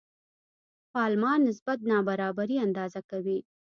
پالما نسبت نابرابري اندازه کوي.